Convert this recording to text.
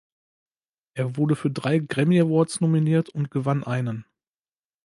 Er wurde für drei Grammy Awards nominiert und gewann einen.